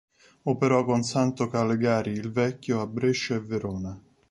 Operò con Santo Calegari il Vecchio a Brescia e Verona.